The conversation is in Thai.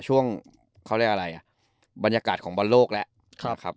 ช่วงเขาเรียกอะไรอ่ะบรรยากาศของบอลโลกแล้วนะครับ